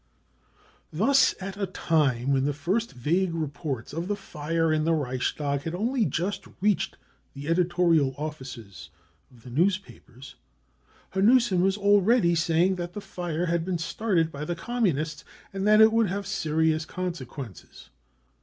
59 Thus at a time when the first vague reports of the fire in the Reichstag had only just reached the editorial offices of the newspapers, Hanussen was Already saying that the fire had been started by the Communists and that it would have serious consequences.